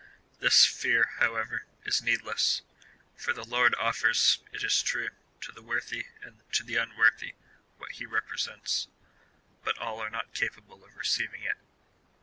This fear, however, is needless, for the Lord offers, it is true, to the Avorthy and to the unAVorthy Avhat he represents, but all are not capable of receiving it.